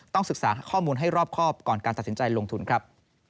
ศึกษาข้อมูลให้รอบครอบก่อนการตัดสินใจลงทุนครับ